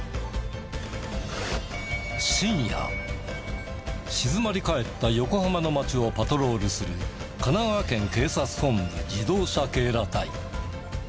深夜静まり返った横浜の街をパトロールする神奈川県警察本部自動車警ら隊。